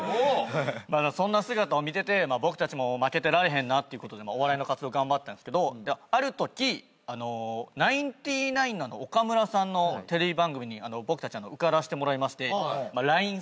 そんな姿を見てて僕たちも負けてられへんなっていうことでお笑いの活動頑張ってたんですけどあるときナインティナインの岡村さんのテレビ番組に僕たち受からせてもらいましてＬＩＮＥ